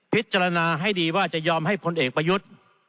พิจารณาให้ดีว่าจะยอมให้พลเอกประยุทธ์